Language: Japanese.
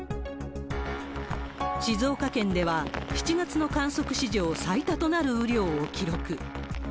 静岡県では、７月の観測史上最多となる雨量を記録。